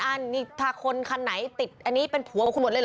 อันนี้ถ้าคนคันไหนติดอันนี้เป็นผัวของคุณหมดเลยเหรอ